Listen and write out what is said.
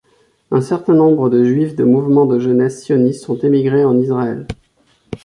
Un certain nombre de Juifs de mouvements de jeunesse sionistes ont émigré en Israël.